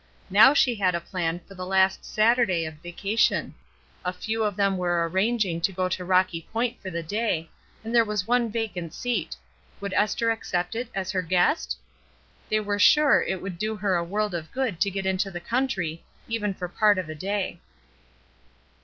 Now she had a plan for the last Saturday of vacation. A few of them were arranging to go to Rocky Point for the day, and there was one vacant seat. Would Esther accept it, as her guest? They were sure it would do her a world of good to get into the country, even for part of a day.